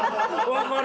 分かる！